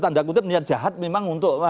tanda kutip niat jahat memang untuk